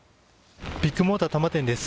ビッグモーター多摩店です。